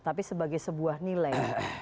tapi sebagai sebuah nilai